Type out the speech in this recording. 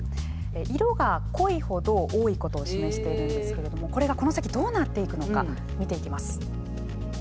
色が濃いほど多いことを示してるんですけれどもこれがこの先どうなっていくのか見ていきます。